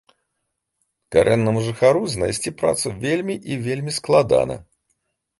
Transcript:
Карэннаму жыхару знайсці працу вельмі і вельмі складана.